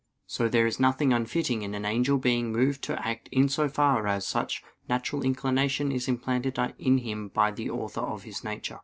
So there is nothing unfitting in an angel being moved to act in so far as such natural inclination is implanted in him by the Author of his nature.